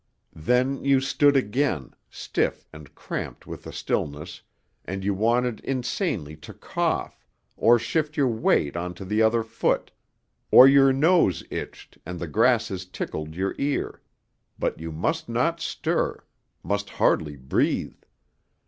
Then you stood again, stiff and cramped with the stillness, and you wanted insanely to cough, or shift your weight on to the other foot, or your nose itched and the grasses tickled your ear but you must not stir, must hardly breathe.